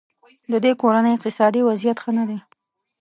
ددې کورنۍ اقتصادي وضیعت ښه نه دی.